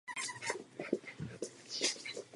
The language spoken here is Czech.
Jedná se tak o jedno z nejrychleji rostoucích měst v zemi.